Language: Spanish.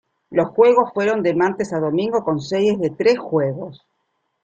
Los juegos fueron de martes a domingo con series de tres juegos.